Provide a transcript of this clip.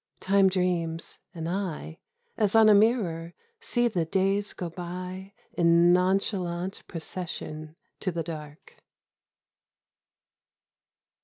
Time dreams, and I, As on a mirror, see the days go by In nonchalant procession to the dark.